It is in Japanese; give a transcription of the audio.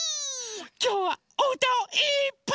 きょうはおうたをいっぱいうたいます！